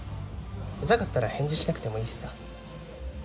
うざかったら返事しなくてもいいしさ。